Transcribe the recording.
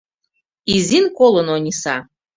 Изин колын Ониса.